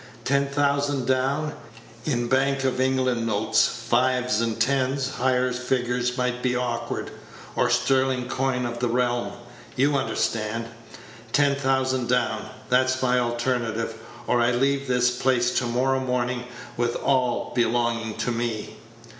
Ten thousand down, in Bank of England notes (fives and tens; higher figures might be awkward), or sterling coin of the realm. You understand; ten thousand down. That's my alternative; or I leave this place to morrow morning, with all belonging to me."